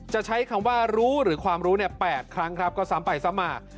จะใช้คำว่ารู้หรือความรู้เนี่ย๘ครั้งครับก็สามไปสามมา